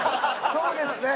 そうですね。